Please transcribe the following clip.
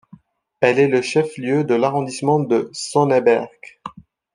Elle est le chef-lieu de l'arrondissement de Sonneberg.